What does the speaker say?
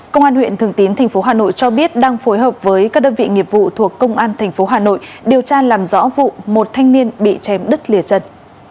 công an huyện thường tín tp hà nội cho biết đang phối hợp với các đơn vị nghiệp vụ thuộc công an tp hà nội điều tra làm rõ vụ một thanh niên bị chém đứt lìa chân